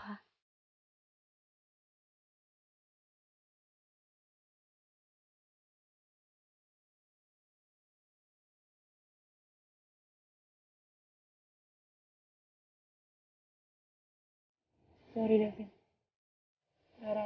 rara gak tegel bikin perasaan kamu hancur opah